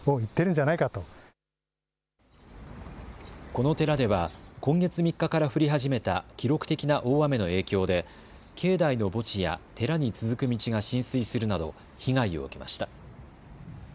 この寺では今月３日から降り始めた記録的な大雨の影響で境内の墓地や寺に続く道が浸水するなど被害を受けました。